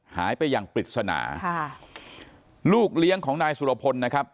หายไปอย่างปริศนาค่ะลูกเลี้ยงของนายสุรพลนะครับ